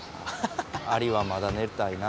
アリはまだ寝たいな。